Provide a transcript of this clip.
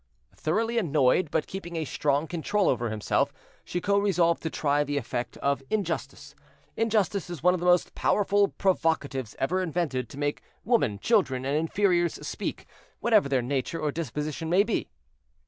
Thoroughly annoyed, but keeping a strong control over himself, Chicot resolved to try the effect of injustice; injustice is one of the most powerful provocatives ever invented to make women, children, and inferiors speak, whatever their nature or disposition may be.